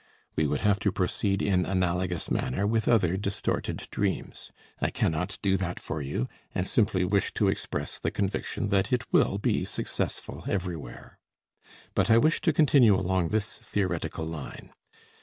We would have to proceed in analogous manner with other distorted dreams. I cannot do that for you, and simply wish to express the conviction that it will be successful everywhere. But I wish to continue along this theoretical line.